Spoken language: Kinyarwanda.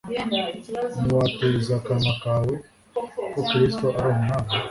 Niwatuza akanwa kawe ko Kristo ari Umwami,